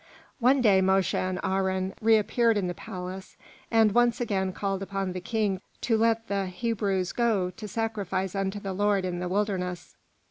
One day Mosche and Aharon reappeared in the palace, and once again called upon the King to let the Hebrews go to sacrifice unto the Lord in the wilderness.